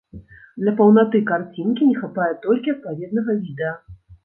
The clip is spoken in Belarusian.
Для паўнаты карцінкі не хапае толькі адпаведнага відэа.